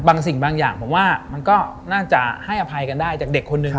บางสิ่งบางอย่างผมว่ามันก็น่าจะให้อภัยกันได้จากเด็กคนหนึ่ง